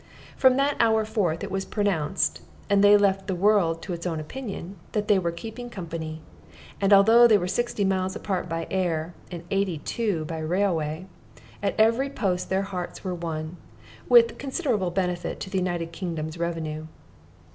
From that hour forth it was pronounced, and they left the world to its own opinion, that they were keeping company; and although they were sixty miles apart by air, and eighty two by railway, at every post their hearts were one, with considerable benefit to the United Kingdom's revenue.